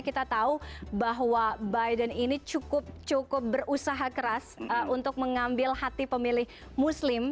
kita tahu bahwa biden ini cukup berusaha keras untuk mengambil hati pemilih muslim